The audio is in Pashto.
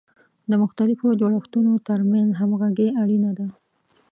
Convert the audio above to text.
د مختلفو جوړښتونو ترمنځ همغږي اړینه ده.